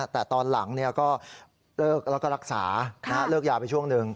แต่ตอนหลังเราก็รักษาเลือกยาไปช่วงหนึ่ง